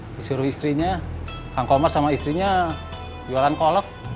disuruh istrinya kang komar sama istrinya jualan kolok